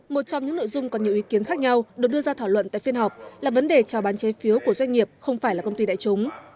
một trong những nội dung có nhiều ý kiến khác nhau được đưa ra thảo luận tại phiên họp là vấn đề trào bán chế phiếu của doanh nghiệp không phải là công ty đại chúng